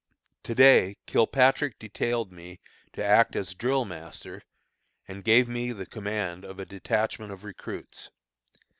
To day Kilpatrick detailed me to act as drill master, and gave me the command of a detachment of recruits.